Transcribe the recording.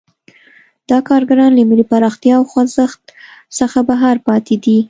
دا کارګران له ملي پراختیا او خوځښت څخه بهر پاتې دي.